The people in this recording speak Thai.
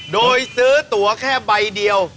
โดยซื้อตัวแค่ใบเดียว